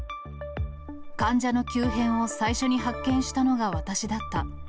患者の急変を最初に発見したのが私だった。